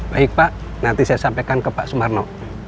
baik pak nanti saya sampaikan ke pak sumarno